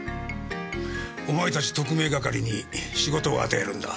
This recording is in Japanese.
お前たち特命係に仕事を与えるんだ。